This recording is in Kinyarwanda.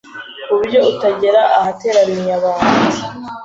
kuburyo utagera ahateraniye abantu